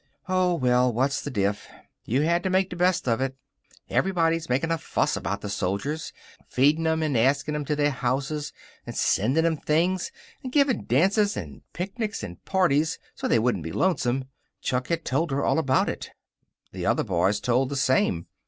Oh, well, what's the diff? You had to make the best of it. Everybody makin' a fuss about the soldiers feeding 'em, and asking 'em to their houses, and sending 'em things, and giving dances and picnics and parties so they wouldn't be lonesome. Chuck had told her all about it. The other boys told the same.